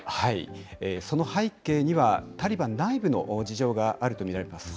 その背景には、タリバン内部の事情があると見られます。